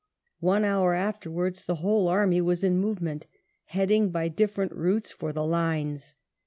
One hour afterwards the whole army was in movement," heading by different routes for the Lines.